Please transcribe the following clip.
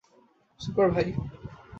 Super, ভাই।